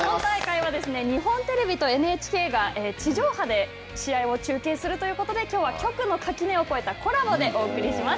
今大会は日本テレビとＮＨＫが、地上波で試合を中継するということで、きょうは局の垣根を越えた、コラボでお送りします。